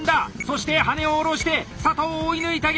そして羽根を下ろして佐藤追い抜いた！